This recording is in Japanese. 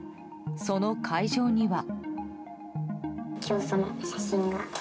その会場には。